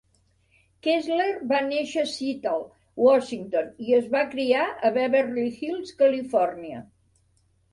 Kessler va néixer a Seattle, Washington, i es va criar a Beverly Hills, Califòrnia.